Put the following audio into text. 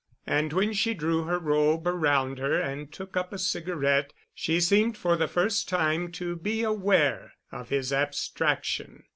And when she drew her robe around her and took up a cigarette, she seemed for the first time to be aware of his abstraction.